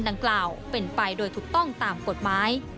ดังกล่าวเป็นไปโดยถูกต้องตามกฎหมาย